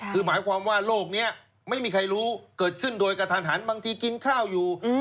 คือหมายความว่าโลกนี้ไม่มีใครรู้เกิดขึ้นโดยกระทันหันบางทีกินข้าวอยู่